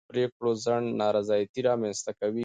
د پرېکړو ځنډ نارضایتي رامنځته کوي